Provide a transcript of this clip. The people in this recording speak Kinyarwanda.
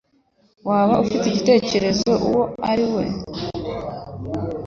Waba ufite igitekerezo uwo ari we?